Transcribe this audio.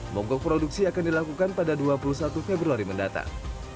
monggok produksi akan dilakukan pada dua puluh satu februari mendatang